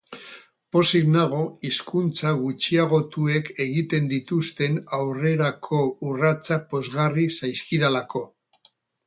Pozik nago hizkuntza gutxiagotuek egiten dituzten aurrerako urratsak pozgarri zaizkidalako.